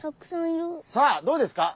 さあどうですか？